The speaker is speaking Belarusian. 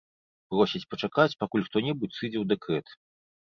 Просяць пачакаць, пакуль хто-небудзь сыдзе ў дэкрэт.